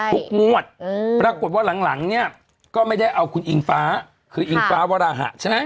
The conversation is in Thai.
ทุกงวดปรากฏว่าหลังเนี่ยก็ไม่ได้เอาคุณอิงฟ้าคืออิงฟ้าวราหะใช่ไหม